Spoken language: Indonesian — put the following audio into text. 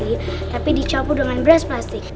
tapi dicampur dengan beras plastik